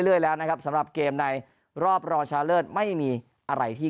เรื่อยแล้วนะครับสำหรับเกมในรอบรองชนะเลิศไม่มีอะไรที่